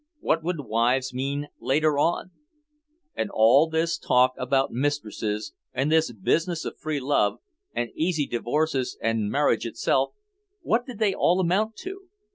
What would wives mean later on? And all this talk about mistresses and this business of free love, and easy divorces and marriage itself what did they all amount to?